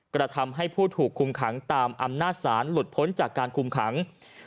กรถำให้ผู้ถูกคุมขัง